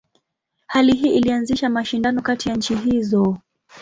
Hali hii ilianzisha mashindano kati ya nchi hizo.